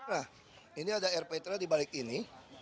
nah ini ada rptra di balik ini